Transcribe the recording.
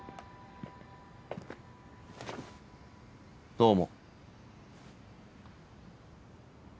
どうも。